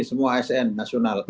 semua asn nasional